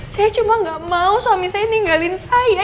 saya cuma tidak mau suami saya meninggalkan saya